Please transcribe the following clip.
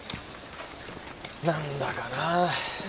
何だかなあ。